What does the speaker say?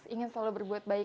ingin selalu berbuat baik